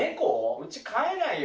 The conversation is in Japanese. うち飼えないよ。